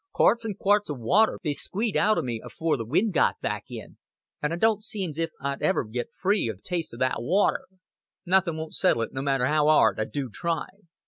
"Quaarts an' quaarts of waater they squeedged out of me afore the wind got back in an' I don't seem's if I'd ever get free o' the taste o' that waater. Nothing won't settle it, no matter how 'ard I do try."